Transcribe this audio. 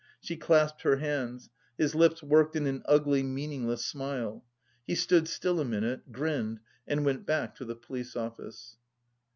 She clasped her hands. His lips worked in an ugly, meaningless smile. He stood still a minute, grinned and went back to the police office.